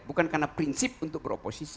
bukan karena prinsip untuk beroposisi